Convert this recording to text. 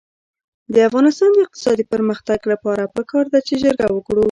د افغانستان د اقتصادي پرمختګ لپاره پکار ده چې جرګه وکړو.